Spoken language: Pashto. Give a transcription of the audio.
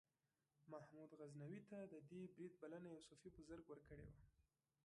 محمود غزنوي ته د دې برید بلنه یو صوفي بزرګ ورکړې وه.